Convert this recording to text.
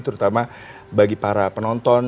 terutama bagi para penonton